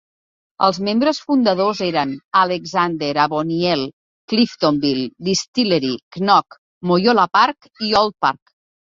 Els membres fundadors eren: Alexander, Avoniel, Cliftonville, Distillery, Knock, Moyola Park i Oldpark.